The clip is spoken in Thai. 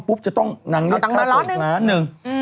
ปุ๊บจะต้องนางเรียกค่าส่วยคล้านนึง